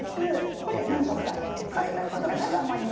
これは南光さんにやっていただこうと思います。